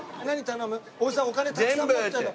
おじさんお金たくさん持ってるの。